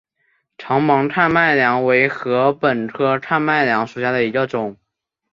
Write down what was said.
长芒看麦娘为禾本科看麦娘属下的一个种。